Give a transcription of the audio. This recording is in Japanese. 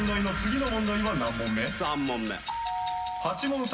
３問目。